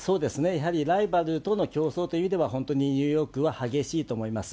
やはりライバルとの競争というのは、本当にニューヨークは激しいと思います。